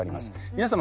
皆様